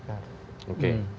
menghadirkan sejumlah pakar